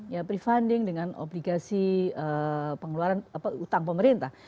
ya prefunding dengan obligasi pengeluaran utang pemerintah